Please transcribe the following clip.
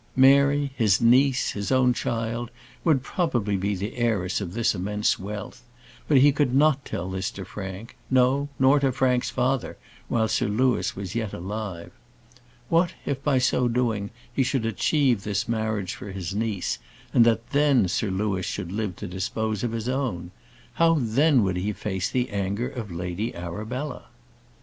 Mary, his niece, his own child, would probably be the heiress of this immense wealth; but he could not tell this to Frank; no, nor to Frank's father while Sir Louis was yet alive. What, if by so doing he should achieve this marriage for his niece, and that then Sir Louis should live to dispose of his own? How then would he face the anger of Lady Arabella?